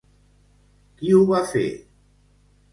Qui ho va fer?